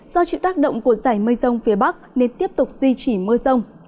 do chịu tác động của giải mây rông phía bắc nên tiếp tục duy trì mưa rông